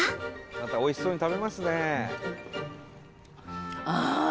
またおいしそうに食べますね。